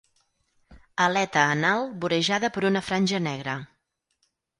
Aleta anal vorejada per una franja negra.